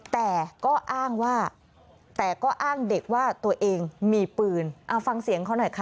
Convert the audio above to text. แต่ก็อ้างว่าแต่ก็อ้างเด็กว่าตัวเองมีปืนเอาฟังเสียงเขาหน่อยค่ะ